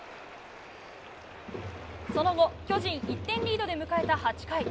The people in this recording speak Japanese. その後、巨人１点リードで迎えた８回。